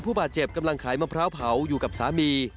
ผู้บาดเจ็บกำลังขายมะพร้าวเผาอยู่กับสามี